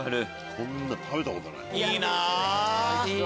こんなの食べたことない。